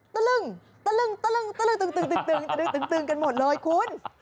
ตะลึงตะลึงตะลึงตะลึงกันหมดเลยคุณ